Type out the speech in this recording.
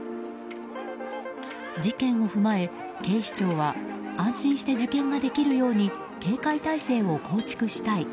事件を踏まえ、警視庁は安心して受験ができるように警戒態勢を構築したい。